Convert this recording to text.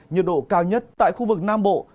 nhiệt độ cao nhất tại khu vực nam bộ